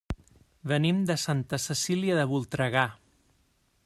Venim de Santa Cecília de Voltregà.